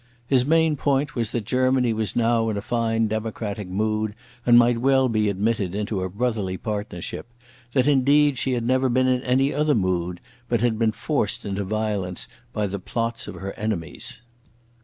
His main point was that Germany was now in a fine democratic mood and might well be admitted into a brotherly partnership—that indeed she had never been in any other mood, but had been forced into violence by the plots of her enemies.